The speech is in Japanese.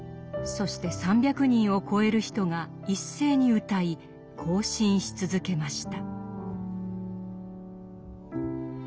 そして３００人を超える人が一斉に歌い行進し続けました。